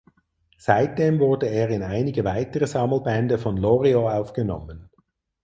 Seitdem wurde er in einige weitere Sammelbände von Loriot aufgenommen.